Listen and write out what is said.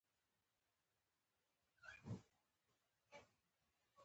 ستوني غرونه د افغان کلتور سره تړاو لري.